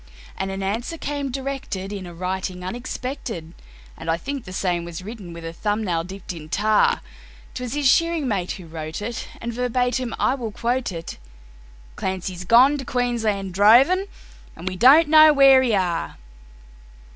And an answer came directed in a writing unexpected (And I think the same was written with a thumb nail dipped in tar); 'Twas his shearing mate who wrote it, and verbatim I will quote it: "Clancy's gone to Queensland droving, and we don't know where he are."